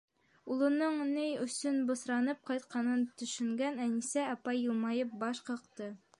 Улының ни өсөн бысранып ҡайтҡанын төшөнгән Әнисә апай йылмайып баш ҡаҡты.